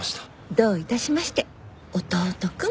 どういたしまして弟君。